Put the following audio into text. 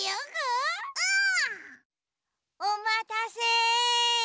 おまたせ！